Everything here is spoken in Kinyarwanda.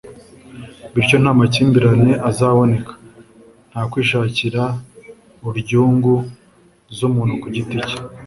Bityo, nta makimbirane azaboneka, nta kwishakira uryungu z'umuntu ku giti cye,